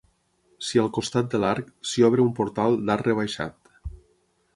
Si al costat de l'arc, s'hi obre un portal d'arc rebaixat.